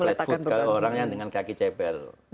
tuh jadi ada flat foot kalau orang yang dengan kaki cepel